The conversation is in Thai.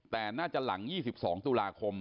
แต่น่าจะหลัง๒๒ตุลาคม